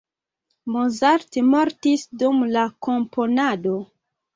Mozart mortis dum la komponado.